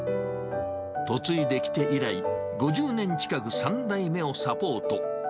嫁いできて以来、５０年近く３代目をサポート。